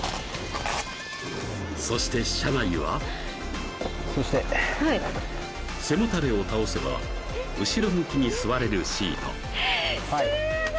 そして車内はそしてはい背もたれを倒せば後ろ向きに座れるシートすご！